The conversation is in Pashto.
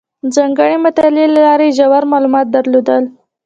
ځانګړې مطالعې له لارې یې ژور معلومات درلودل.